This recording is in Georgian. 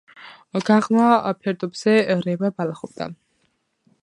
გაღმა ფერდობზე რემა ბალახობდა.